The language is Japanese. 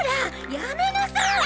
やめなさい！